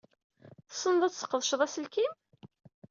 Tessned ad tesqedced aselkim?